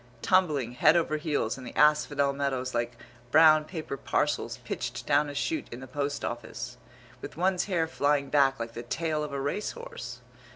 Tumbling head over heels in the asphodel meadows like brown paper parcels pitched down a shoot in the post office! With one's hair flying back like the tail of a race horse.